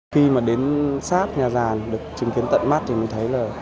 khi mà đến sát nhà giàn được chứng kiến tận mắt thì mình thấy là